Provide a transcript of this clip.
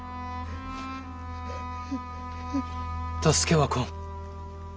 助けは来ん。